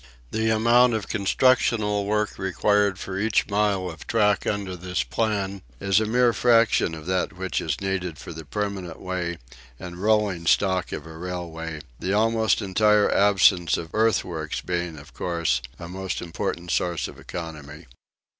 The amount of constructional work required for each mile of track under this plan is a mere fraction of that which is needed for the permanent way and rolling stock of a railway, the almost entire absence of earth works being, of course, a most important source of economy.